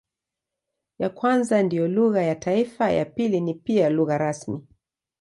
Ya kwanza ndiyo lugha ya taifa, ya pili ni pia lugha rasmi.